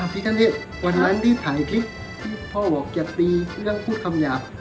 ที่ทั้งนี้วันนั้นที่ถ่ายคลิปที่พ่อบอกจะตีเรื่องพูดคำหยาบ